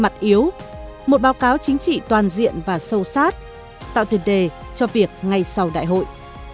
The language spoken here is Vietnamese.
mặt yếu một báo cáo chính trị toàn diện và sâu sát tạo tiền đề cho việc ngay sau đại hội